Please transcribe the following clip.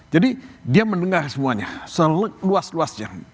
jadi dia mendengar semuanya seluas luasnya